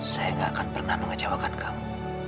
saya gak akan pernah mengecewakan kamu